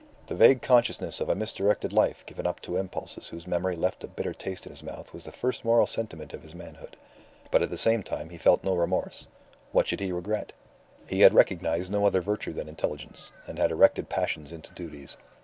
The vague consciousness of a misdirected life given up to impulses whose memory left a bitter taste in his mouth was the first moral sentiment of his manhood. But at the same time he felt no remorse. What should he regret? He had recognized no other virtue than intelligence, and had erected passions into duties.